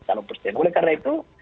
calon presiden oleh karena itu